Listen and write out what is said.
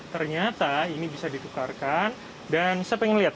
ternyata ini bisa ditukarkan dan saya ingin melihat